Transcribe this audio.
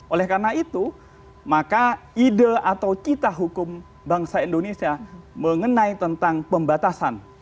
oleh karena itu maka ide atau cita hukum bangsa indonesia mengenai tentang pembatasan